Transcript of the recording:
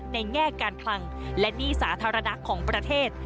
แง่การคลังและหนี้สาธารณะของประเทศ